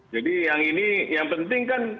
jadi yang penting kan